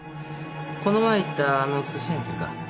この前行ったあの寿司屋にするか？